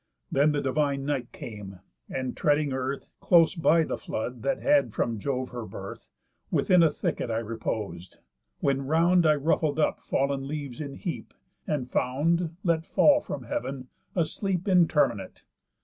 Then the divine night came, and treading earth, Close by the flood that had from Jove her birth, Within a thicket I repos'd; when round I ruffled up fall'n leaves in heap; and found, Let fall from heav'n, a sleep interminate.